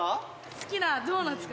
「好きなドーナツが」